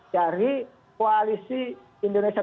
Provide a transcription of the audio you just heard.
dari koalisi indonesia